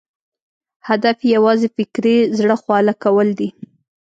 هدف یې یوازې فکري زړه خواله کول دي.